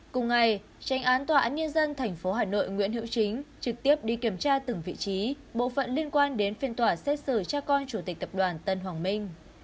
cùng ngày tranh án tòa án nhân dân tp hà nội nguyễn hữu chính trực tiếp đi kiểm tra từng vị trí bộ phận liên quan đến phiên tòa xét xử cha con chủ tịch tập đoàn tân hoàng minh